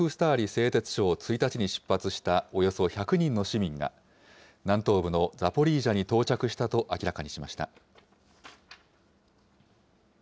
製鉄所を１日に出発したおよそ１００人の市民が、南東部のザポリージャに到着したと明らかにしました。